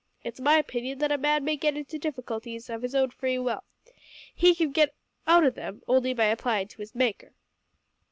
It's my opinion that a man may get into difficulties of his own free will. He can get out of them only by applyin' to his Maker."